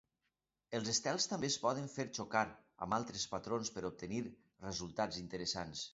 Els estels també es poden fer xocar amb altres patrons per obtenir resultats interessants.